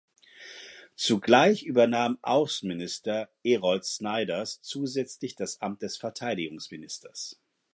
Zugleich übernahm Außenminister Errol Snijders zusätzlich das Amt des Verteidigungsministers.